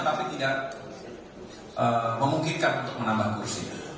yang tidak memungkinkan menambah kursi